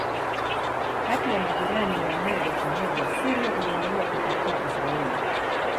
Kati ya majirani ya moja kwa moja Syria iliendelea kukataa Israeli.